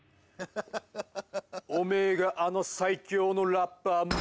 おめえがあの最強のラッパー